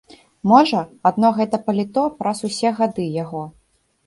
Можа, адно гэта паліто праз усе гады яго.